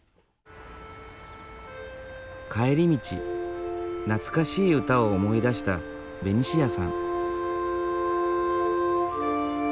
帰り道懐かしい歌を思い出したベニシアさん。